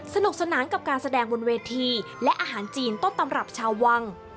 สนุกสนานกับการแสดงบนเวทีและอาหารจีนต้นตำรับชาววัง